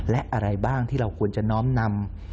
และอะไรบ้างที่เราควรจะน้อมนำ